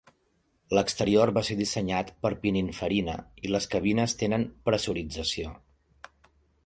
L'exterior va ser dissenyat per Pininfarina i les cabines tenen pressurització.